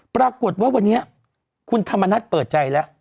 ปรากฏว่าวันนี้คุณธรรมนัฐเปิดใจแล้ว